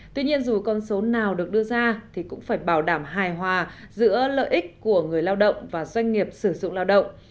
tuy nhiên dù con số nào được đưa ra thì cũng phải bảo đảm hài hòa giữa lợi ích của người lao động và doanh nghiệp sử dụng lao động